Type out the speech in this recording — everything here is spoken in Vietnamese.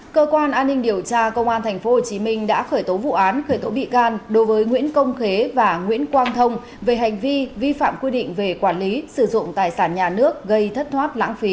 cơ quan an ninh điều tra công an tp hcm đã khởi tố vụ án khởi tố bị can đối với nguyễn công khế và nguyễn quang thông về hành vi vi phạm quy định về quản lý sử dụng tài sản nhà nước gây thất thoát lãng phí